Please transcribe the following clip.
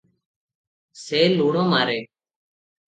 ସେ ଲୁଣ ମାରେ ।